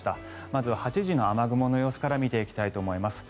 まずは８時の雨雲の様子から見ていきたいと思います。